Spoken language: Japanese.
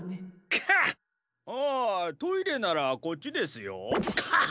あートイレならこっちですよ。か！